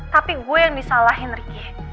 tapi gue yang disalahin ricky